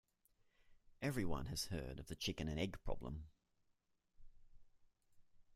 Everyone has heard of the chicken and egg problem.